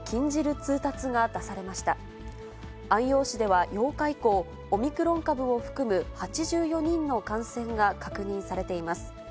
市では、８日以降、オミクロン株を含む８４人の感染が確認されています。